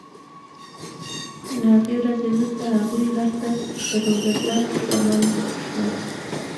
له هغې ورځې وروسته هغوی هر څه درلودل او شتمن شول.